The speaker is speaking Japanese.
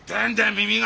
耳が！